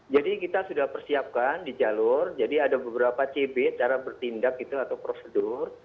kita sudah persiapkan di jalur jadi ada beberapa cb cara bertindak itu atau prosedur